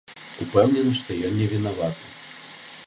Упэўнены, што ён невінаваты.